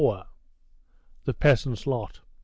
THE PEASANTS' LOT.